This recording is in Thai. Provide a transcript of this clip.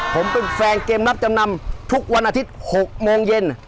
ผมเป็นแฟนเกมรับจำนำทุกวันอาทิตย์๖โมงเย็น